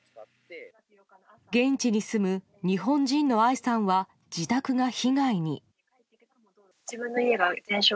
現地に住む日本人の愛さんは自宅が被害に。